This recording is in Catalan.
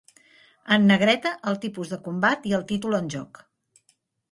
En negreta el tipus de combat i el títol en joc.